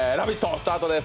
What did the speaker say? スタートです。